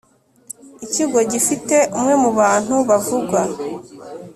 ikigo gifite umwe mu bantu bavugwa